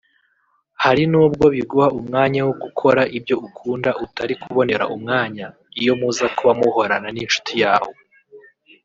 Hari nubwo biguha umwanya wo gukora ibyo ukunda utari kubonera umwanya iyo muza kuba muhorana n’inshuti yawe